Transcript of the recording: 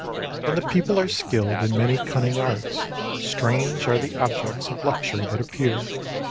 When the people are skilled in many cunning arts, strange are the objects of luxury that appear.